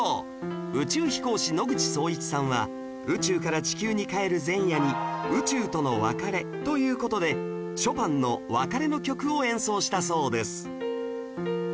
宇宙飛行士野口聡一さんは宇宙から地球に帰る前夜に宇宙との別れという事でショパンの『別れの曲』を演奏したそうです